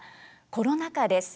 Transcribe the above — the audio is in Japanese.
コロナ禍です。